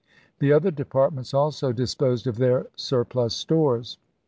The other departments also disposed of their sur plus stores.